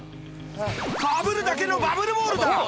かぶるだけのバブルボールだ。